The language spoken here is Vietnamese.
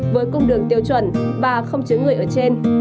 với cung đường tiêu chuẩn và không chứa người ở trên